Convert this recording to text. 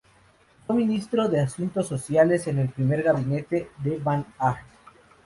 Fue Ministro de Asuntos Sociales en el primer gabinete de Van Agt.